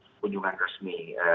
jadi kan kunjungan resmi